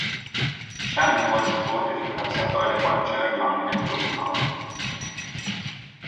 Channon was reported to have suffered a punctured lung and broken arm.